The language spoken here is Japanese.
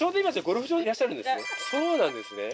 そうなんですね